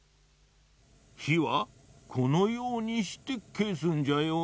ひはこのようにしてけすんじゃよ。